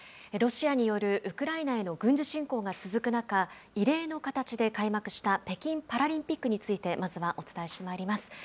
ロシアによるウクライナへの軍事侵攻が続く中異例の形で開幕した北京パラリンピックについてまずはお伝えしてまいります。